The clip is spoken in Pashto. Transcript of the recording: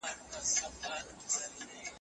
موږ باید له تدبیر او هوښیارۍ څخه کار واخلو.